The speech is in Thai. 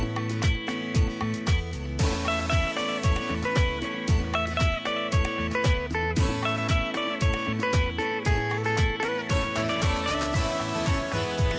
โปรดติดตามประกาศ